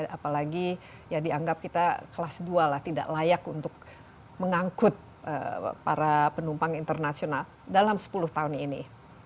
apalagi ya dianggap kita kelas dua lah tidak layak untuk mengangkut para penumpang internasional dalam sepuluh tahun ini